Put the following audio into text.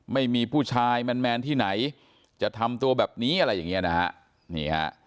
ไม่มีผู้ชายแมนที่ไหนจะทำตัวแบบนี้อะไรอย่างเงี้ยนะฮะนี่ฮะ